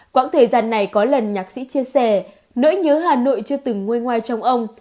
quãng thời gian này có lần nhạc sĩ chia sẻ nỗi nhớ hà nội chưa từng ngôi ngoài trong ông